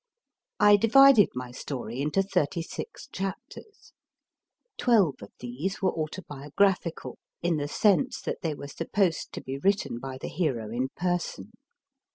I divided my story into thirty six chapters. Twelve of these were autobiographical, in the sense that they were supposed to be written by the hero in person.